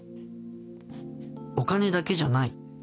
お金だけじゃない